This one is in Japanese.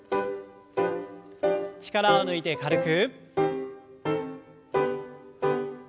力を抜いて軽く。